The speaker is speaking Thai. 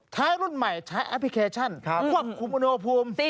ใช้รุ่นใหม่ใช้แอปพลิเคชันควบคุมมนโอภูมิ